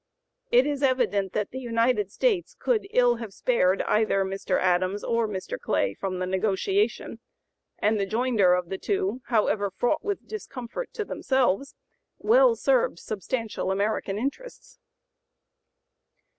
It is evident that the United States could ill have spared either Mr. Adams or Mr. Clay from the negotiation, and the joinder of the two, however fraught with discomfort to themselves, well served substantial American interests.